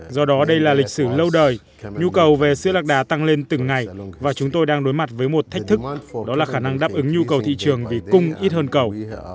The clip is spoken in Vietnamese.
do đó đây là lịch sử lâu đời nhu cầu về sữa lạc đà tăng lên từng ngày và chúng tôi đang đối mặt với một thách thức đó là khả năng đáp ứng nhu cầu thị trường vì cung ít hơn cầu